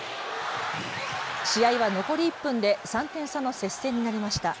試合は残り１分で３点差の接戦になりました。